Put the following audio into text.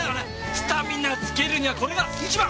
スタミナつけるにはこれが一番！